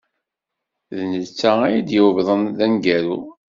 D netta ay d-yuwḍen d ameggaru.